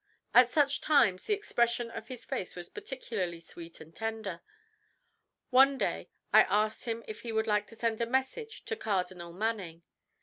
At such times the expression of his face was particularly sweet and tender. One day I asked him if he would like to send a message to Cardinal Manning.